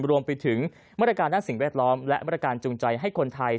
รวมไปถึงมาตรการด้านสิ่งแวดล้อมและมาตรการจูงใจให้คนไทย